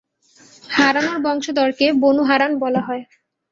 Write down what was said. হারানের বংশধরকে Banu Haran বলা হয়।